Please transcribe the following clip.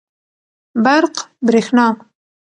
برق √ بريښنا